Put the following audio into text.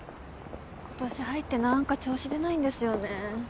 今年入って何か調子出ないんですよね。